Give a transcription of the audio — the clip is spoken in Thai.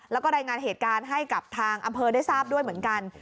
แล้วก็รายงานเหตุการณ์ให้กับทางอำเภอได้ทราบด้วยเหมือนกัน